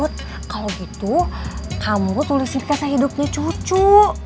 tut kalau gitu kamu tulisin kisah hidupnya cucu